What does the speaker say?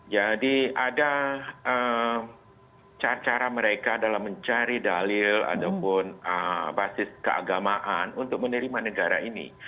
jadi ada cara cara mereka dalam mencari dalil ataupun basis keagamaan untuk menerima negara ini